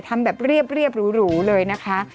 ทำแบบเรียบหรูเลยนะคะ